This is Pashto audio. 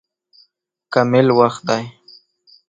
کامل وخت دی.